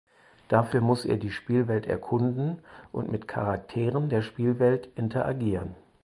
Dafür muss er die Spielwelt erkunden und mit Charakteren der Spielwelt interagieren.